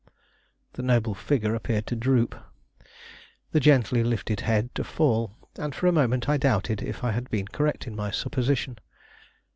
The noble figure appeared to droop, the gently lifted head to fall, and for a moment I doubted if I had been correct in my supposition.